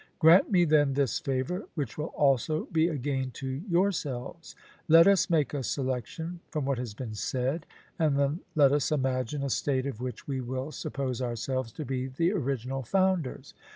Grant me then this favour, which will also be a gain to yourselves: Let us make a selection from what has been said, and then let us imagine a State of which we will suppose ourselves to be the original founders.